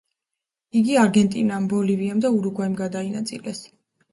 იგი არგენტინამ, ბოლივიამ და ურუგვაიმ გადაინაწილეს.